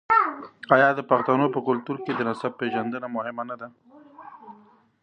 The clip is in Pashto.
آیا د پښتنو په کلتور کې د نسب پیژندنه مهمه نه ده؟